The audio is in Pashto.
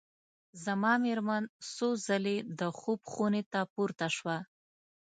زما مېرمن څو ځلي د خوب خونې ته پورته شوه.